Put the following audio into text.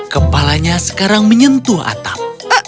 kepalanya sekarang menyentuh atap